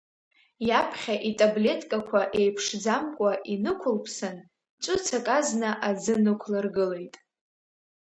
Иаԥхьа итаблеткақәа еиԥшӡамкәа инықәылԥсан, ҵәыцак азна аӡы нықәлыргылеит.